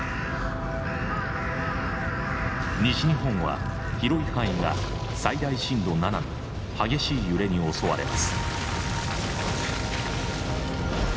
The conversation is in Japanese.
西日本は広い範囲が最大震度７の激しい揺れに襲われます。